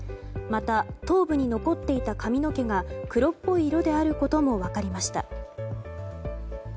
また、頭部に残っていた髪の毛が黒っぽい色であることも分かりました。